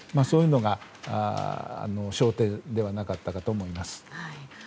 そういうのが焦点ではなかったかと思います。